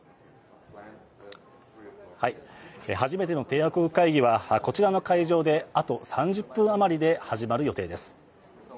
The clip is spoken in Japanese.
初めての締約国会議はこちらの会場であと３０分余りで始まる予定です。